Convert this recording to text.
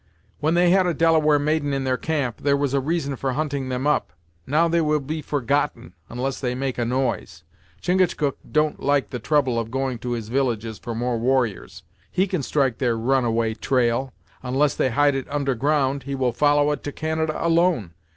When they had a Delaware maiden in their camp, there was a reason for hunting them up; now they will be forgotten unless they make a noise. Chingachgook don't like the trouble of going to his villages for more warriors; he can strike their run a way trail; unless they hide it under ground, he will follow it to Canada alone.